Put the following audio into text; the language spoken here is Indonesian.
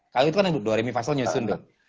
kalau itu kan do re mi fa sol nyusun dong